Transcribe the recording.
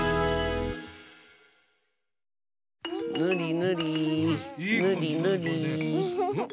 ぬりぬりぬりぬり。